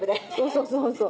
そうそうそう。